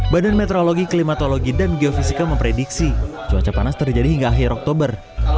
badan meteorologi klimatologi dan geofisika memprediksi cuaca panas terjadi hingga akhir oktober